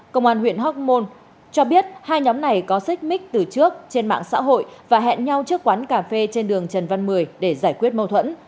công an huyện hóc môn cho biết hai nhóm này có xích mích từ trước trên mạng xã hội và hẹn nhau trước quán cà phê trên đường trần văn mười để giải quyết mâu thuẫn